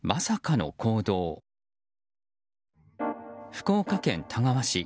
福岡県田川市。